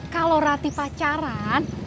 kalau rati pacaran